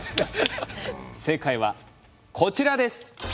正解はこちらです。